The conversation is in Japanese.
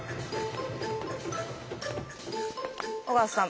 尾形さん